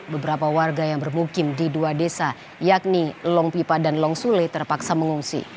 beberapa warga yang bermukim di dua desa yakni long pipa dan long sule terpaksa mengungsi